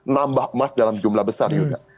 nambah emas dalam jumlah besar yuda